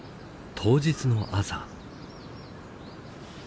当日の朝。